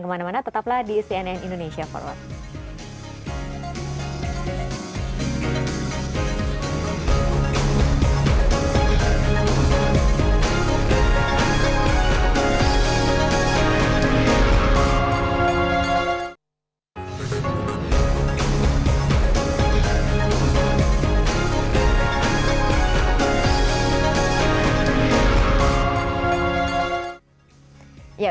kemana mana tetaplah di cnn indonesia for life